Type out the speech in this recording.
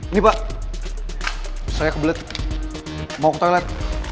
ini pak saya kebelet mau ke toilet